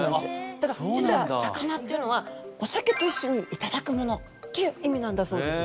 ただ実は酒菜っていうのはお酒と一緒にいただくものっていう意味なんだそうです。